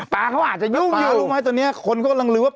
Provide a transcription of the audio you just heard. ป๊าเขาอาจจะยุ่มว่าตอนนี้คอยลืมว่า